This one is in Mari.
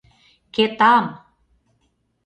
Кетам!